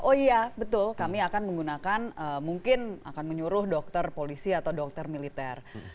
oh iya betul kami akan menggunakan mungkin akan menyuruh dokter polisi atau dokter militer